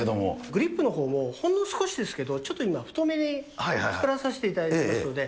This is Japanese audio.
グリップのほうも、ほんの少しですけど、ちょっと今、太めに作らさせていただいてますので。